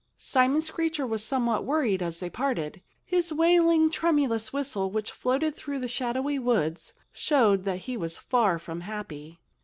Simon Screecher was somewhat worried as they parted. His wailing, tremulous whistle, which floated through the shadowy woods, showed that he was far from happy.